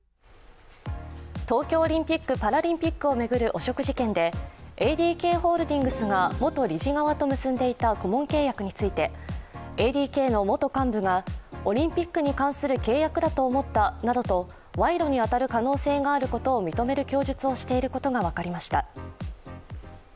東京オリンピック・パラリンピックを巡る汚職事件で、ＡＤＫホールディングスが元理事側と結んでいた顧問契約について、ＡＤＫの元幹部がオリンピックに関する契約だと思ったなどと賄賂に当たる可能性があることを認める供述をしていることが分かりました。